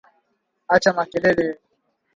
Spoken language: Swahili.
Acha makelele